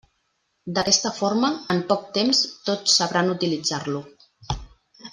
D'aquesta forma, en poc temps tots sabran utilitzar-lo.